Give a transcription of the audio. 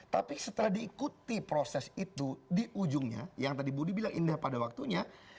tapi setelah diikuti proses itu di ujungnya yang tadi budi bilang indah pada waktunya